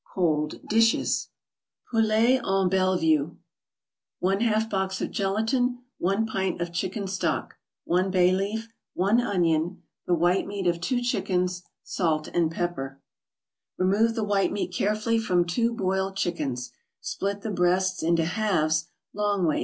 COLD DISHES POULET EN BELLEVUE 1/2 box of gelatin 1 pint of chicken stock 1 bay leaf 1 onion The white meat of two chickens Salt and pepper Remove the white meat carefully from two boiled chickens; split the breasts into halves, long ways.